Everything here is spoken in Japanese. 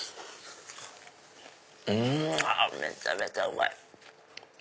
めちゃめちゃうまい！